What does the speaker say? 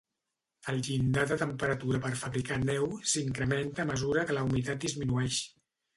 El llindar de temperatura per fabricar neu s'incrementa a mesura que la humitat disminueix.